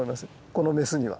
このメスには。